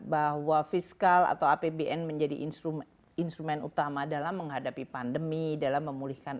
bahwa fiskal atau apbn menjadi instrumen instrumen utama dalam menghadapi pandemi dalam memulihkan